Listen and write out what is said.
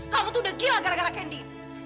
kamu tuh udah gila gara gara candit